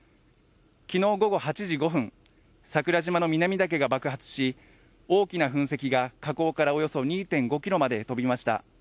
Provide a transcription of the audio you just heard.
昨日午後８時５分、桜島の南岳が爆発し大きな噴石が火口からおよそ２．５ｋｍまで飛びました。